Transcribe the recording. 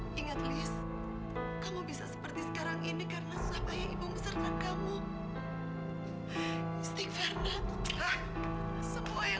sampai jumpa di video selanjutnya